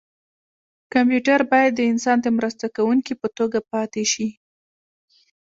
کمپیوټر باید د انسان د مرسته کوونکي په توګه پاتې شي.